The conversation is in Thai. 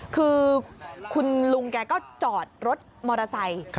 คือคุณลุงแกก็จอดรถมอเตอร์ไซค์